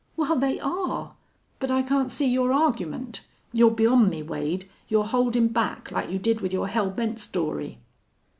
"Wal, they are. But I can't see your argument. You're beyond me, Wade. You're holdin' back, like you did with your hell bent story."